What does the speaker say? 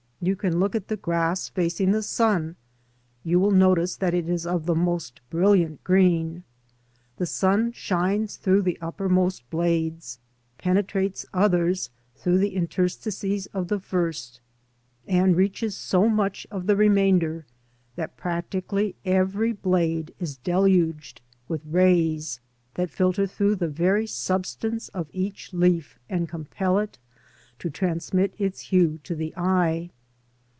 If you look at the grass facing the sun, you will notice that it is of the most brilliant green. The sun shines through the uppermost blades, penetrates others through the interstices of the first, and reaches so much of the remainder that practically every blade is deluged with rays that filter through the very substance of each leaf and compel it to transmit its hue to the eye.